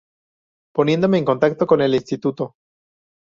poniéndome en contacto con el Instituto